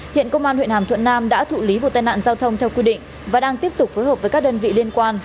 hiện công an huyện hàm thuận nam đã thụ lý vụ tai nạn giao thông theo quy định và đang tiếp tục phối hợp với các đơn vị liên quan